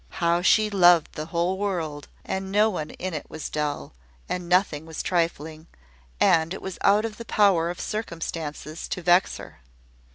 How she loved the whole world, and no one in it was dull, and nothing was trifling, and it was out of the power of circumstances to vex her!